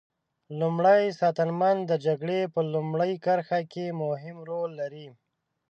لومری ساتنمن د جګړې په لومړۍ کرښه کې مهم رول لري.